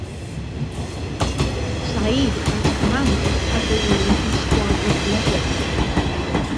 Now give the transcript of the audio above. Said has commanded at the wing and squadron level.